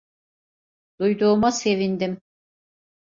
Duyduğuma sevindim.